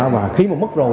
và khi mà mất rồi